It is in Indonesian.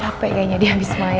capek kayaknya dia habis main